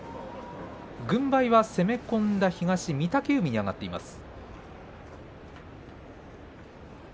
軍配は攻め込んだ東、御嶽海に上がっています。